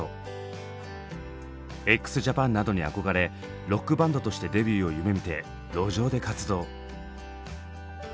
ＸＪＡＰＡＮなどに憧れロックバンドとしてデビューを夢みて路上で活動。